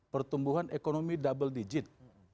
pertumbuhan ekonomi double digit